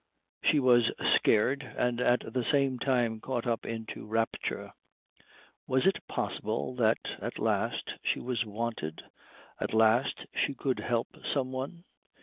She was scared, and at the same time caught up into rapture. Was it possible that at last she was wanted, at last she could help some one?